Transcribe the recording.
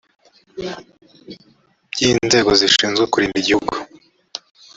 by inzego zishinzwe kurinda igihugu